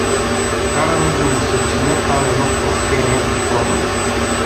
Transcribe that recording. Кара ме да му съчиня там едно прошение за проба.